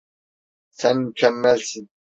Sen mükemmelsin.